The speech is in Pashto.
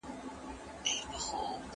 که ژوند یو امتحان وي نو موږ به بریالي شو.